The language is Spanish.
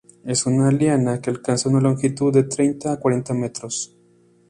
Es una liana que alcanza una longitud de treinta a cuarenta metros.